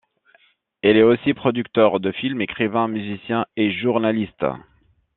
Il est aussi producteur de films, écrivain, musicien et journaliste.